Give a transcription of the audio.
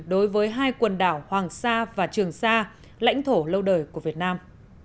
đối với hai quần đảo hoàng sa và trường sa lãnh thổ lâu đời của việt nam